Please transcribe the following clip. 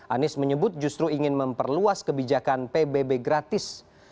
anies menyebut justru ingin memperluas kebijakan pbb gratis